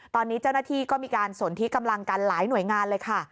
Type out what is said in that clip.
ตอนนี้เจ้าหน้าที่ก็มีการสนที่กำลังกันหลายหน่วยงานเลยค่ะ